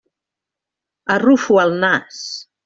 Arrufo el nas.